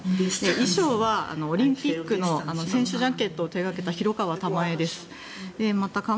衣装はオリンピックの選手ジャケットを手掛けた方です。